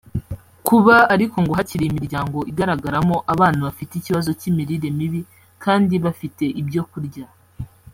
Kuba ariko ngo hakiri imiryango igaragaramo abana bafite ikibazo cy’imirire mibi kandi bafite ibyo kurya